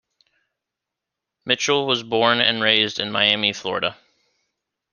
Mitchell was born and raised in Miami, Florida.